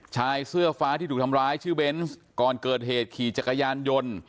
ชายเสื้อฟ้าที่ถูกทำร้ายชื่อเบนส์ก่อนเกิดเหตุขี่จักรยานยนต์